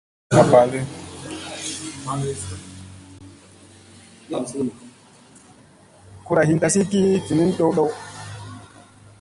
Kura hin tazi ki vinina ɗow ɦak ni.